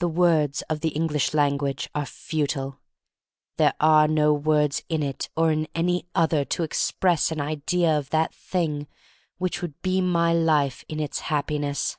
The words of the English language are futile. There are no words in it, or in any other, to express an idea of that thing which would be my life in its Happiness.